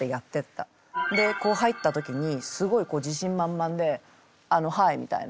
でこう入った時にすごいこう自信満々でハイみたいな。